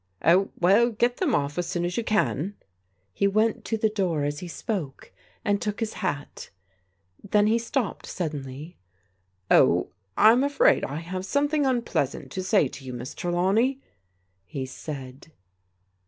" Oh, well, get them off as soon as you can." He went to the door as he spoke and took his hat. Then he stopped suddenly. " Oh, I'm afraid I have something unpleasant to say to you. Miss Trelawney," he said.